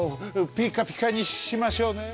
ピッカピカにしましょうね。